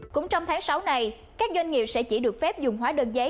cũng trong tháng sáu này các doanh nghiệp sẽ chỉ được phép dùng hóa đơn giấy